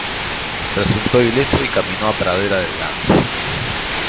Resultó ileso y caminó a Pradera del Ganso.